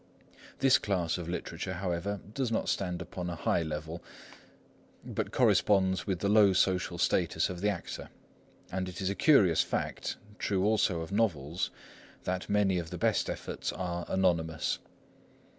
This class of literature, however, does not stand upon a high level, but corresponds with the low social status of the actor; and it is a curious fact—true also of novels—that many of the best efforts are anonymous.